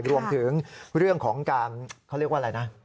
รวมถึงเรื่องของการเขาเรียกว่าอะไรนะ